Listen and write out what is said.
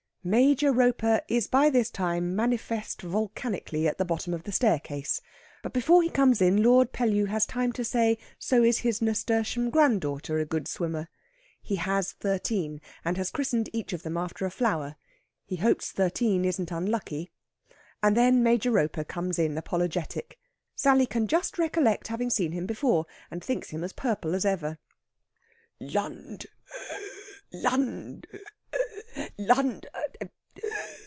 Major Roper is by this time manifest volcanically at the bottom of the staircase, but before he comes in Lord Pellew has time to say so is his nasturtium granddaughter a good swimmer. He has thirteen, and has christened each of them after a flower. He hopes thirteen isn't unlucky, and then Major Roper comes in apologetic. Sally can just recollect having seen him before, and thinks him as purple as ever. "Lund er! Lund er! Lund er!